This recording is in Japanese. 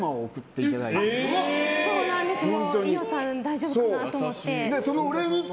伊代さん、大丈夫かなと思って。